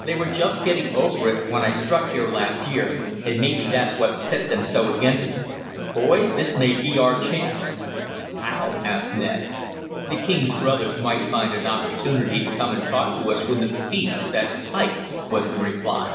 They were just getting over it when I struck here last year, and maybe that's what set them so against me. Boys, this may be our chance!" "How?" asked Ned. "The king's brothers may find an opportunity to come and talk to us when the feast is at its height," was the reply.